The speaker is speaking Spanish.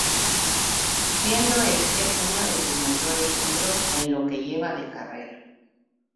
Siendo este uno de sus mayores logros en lo que lleva de carrera.